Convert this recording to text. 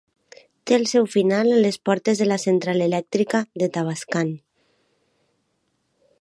Té el seu final a les portes de la Central elèctrica de Tavascan.